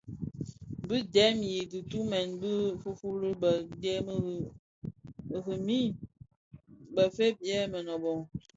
Bi dèm bi dhi tumèn bë fuufuli bë dhemi remi bëfëëg yè mënōbō.